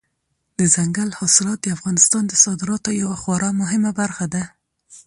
دځنګل حاصلات د افغانستان د صادراتو یوه خورا مهمه برخه ده.